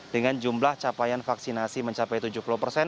dengan jumlah capaian vaksinasi mencapai tujuh puluh persen